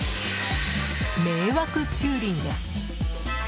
迷惑駐輪です。